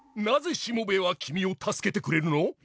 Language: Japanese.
なぜしもべえは君を助けてくれるの？